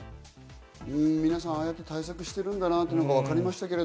皆さん、ああやって対策してるんだなというのが分かりました。